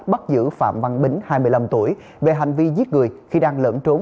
bắt giữ phạm văn bính hai mươi năm tuổi về hành vi giết người khi đang lẫn trốn